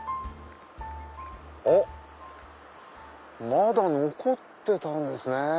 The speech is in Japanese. まだ残ってたんですね。